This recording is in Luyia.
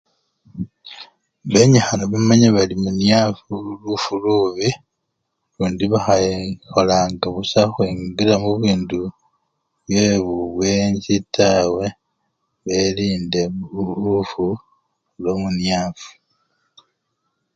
Benyikhana bamanye bari muniafu lufu lubii lundi bakhakholanga busa khukhwingila mubindu byebubwenzi tawe, bekhinge lufu lwamuniafu.